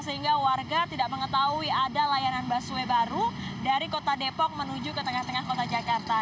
sehingga warga tidak mengetahui ada layanan busway baru dari kota depok menuju ke tengah tengah kota jakarta